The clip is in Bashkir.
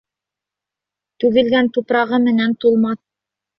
Түгелгән тупрағы менән тулмаҫ